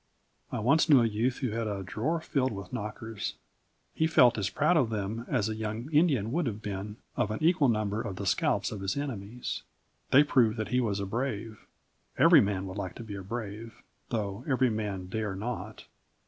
I once knew a youth who had a drawer filled with knockers. He felt as proud of them as a young Indian would have been of an equal number of the scalps of his enemies. They proved that he was a brave. Every man would like to be a brave, though every man dare not.